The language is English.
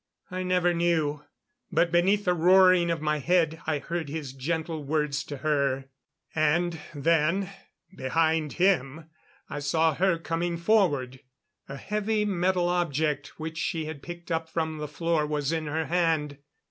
I never knew. But beneath the roaring of my head, I heard his gentle words to her. And then, behind him, I saw her coming forward. A heavy metal object which she had picked up from the floor was in her hand.